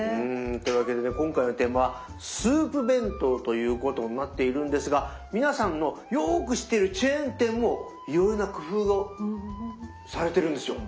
というわけでね今回のテーマは「スープ弁当」ということになっているんですが皆さんのよく知ってるチェーン店もいろいろな工夫をされてるんですよ。